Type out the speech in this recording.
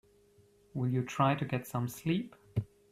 Will you try to get some sleep?